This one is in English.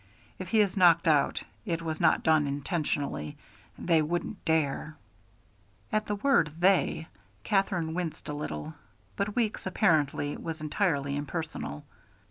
If he is knocked out, it was not done intentionally. They wouldn't dare." At the word "they" Katherine winced a little, but Weeks apparently was entirely impersonal.